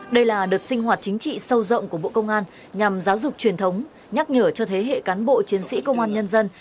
đây là đợt sinh hoạt chính trị sâu rộng của bộ công an nhằm giáo dục truyền thống nhắc nhở cho thế hệ cán bộ chiến sĩ công an nhân dân